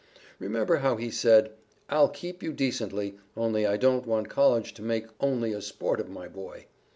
Remember how he said, "I'll keep you decently, only I don't want College to make only a sport of my boy."